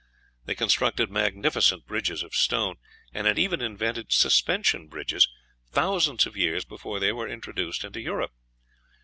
They constructed magnificent bridges of stone, and had even invented suspension bridges thousands of years before they were introduced into Europe.